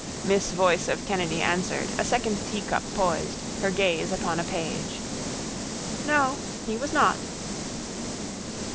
Miss voice of Kennedy answered, a second teacup poised, her gaze upon a page: —No. He was not.